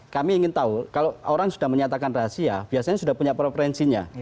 kami ingin tahu kalau orang sudah menyatakan rahasia biasanya sudah punya preferensinya